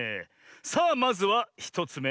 さあまずは１つめ。